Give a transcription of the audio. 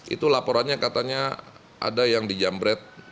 itu laporannya katanya ada yang dijamret